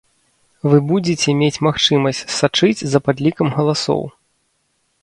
Вы будзеце мець магчымасць сачыць за падлікам галасоў.